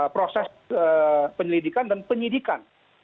proses penyelidikan dan penyidikan